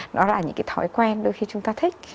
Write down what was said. nó là những cái thói quen đôi khi chúng ta thích